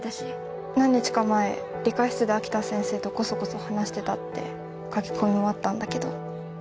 何日か前理科室で秋田先生とこそこそ話してたって書き込みもあったんだけど